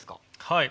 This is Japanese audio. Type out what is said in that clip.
はい。